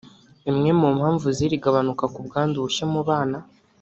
Imwe mu mpamvu z’iri gabanuka ku bwandu bushya mu bana